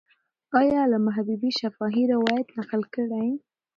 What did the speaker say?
آیا علامه حبیبي شفاهي روایت نقل کړی؟